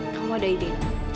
kamu ada ide